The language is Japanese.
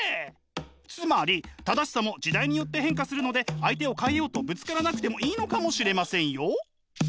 つまり正しさも時代によって変化するので相手を変えようとぶつからなくてもいいのかもしれませんよ。